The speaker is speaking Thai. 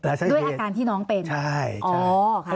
ด้วยอาการที่น้องเป็นอ๋อค่ะใช่ด้วยอาการที่น้องเป็น